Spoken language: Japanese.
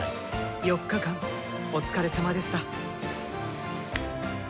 ４日間お疲れさまでした。